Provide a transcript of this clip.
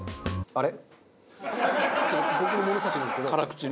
あれ？